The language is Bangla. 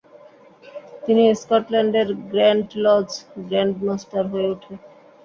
তিনি স্কটল্যান্ডের গ্র্যান্ড লজ গ্র্যান্ডমাস্টার হয়ে ওঠে।